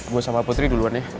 gue sama putri duluan ya